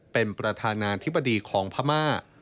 เป็นประธานาธิบดีของพม่า